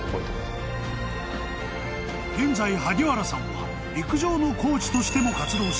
［現在萩原さんは陸上のコーチとしても活動し］